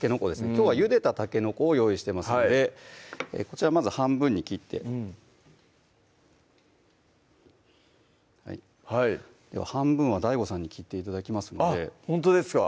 きょうはゆでたたけのこを用意してますのでこちらまず半分に切って半分はＤＡＩＧＯさんに切って頂きますのでほんとですか？